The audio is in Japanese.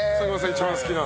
一番好きな？